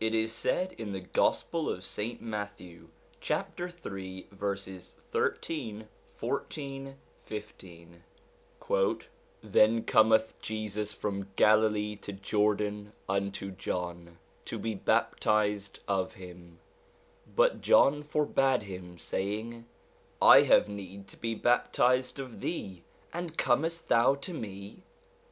It is said in the Gospel of St. Matthew, chapter 3 verses 13, 14, 15 :' Then cometh Jesus from Galilee to Jordan unto John, to be baptized of him. But John forbade him, saying, I have need to be bap tized of thee, and comes t thou to me